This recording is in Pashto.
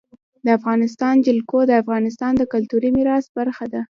د افغانستان جلکو د افغانستان د کلتوري میراث برخه ده.